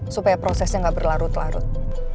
supaya prosesnya nggak berlarut larut